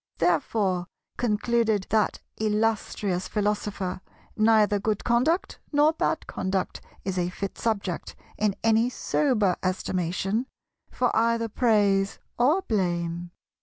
Therefore, concluded that illustrious Philosopher, neither good conduct nor bad conduct is a fit subject, in any sober estimation, for either praise or blame.